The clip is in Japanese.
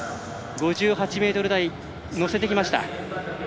５８ｍ台に乗せてきました。